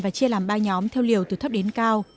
và chia làm ba nhóm theo liều từ thấp đến cao